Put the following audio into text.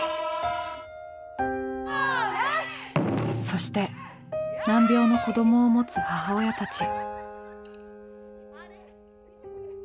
そして難病の子供をもつ母親たち。